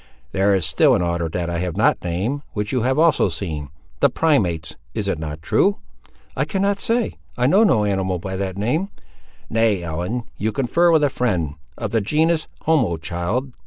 "There is still an order that I have not named, which you have also seen. The primates—is it not true?" "I cannot say. I know no animal by that name." "Nay, Ellen, you confer with a friend. Of the genus, homo, child?"